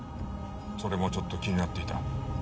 それもちょっと気になっていた。